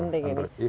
wah ini penting ini